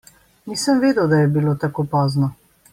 Nisem vedel, da je bilo tako pozno.